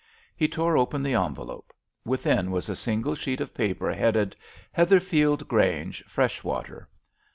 He tore open the envelope. Within was a single sheet of paper headed, "Heatherfield Grange, Freshwater."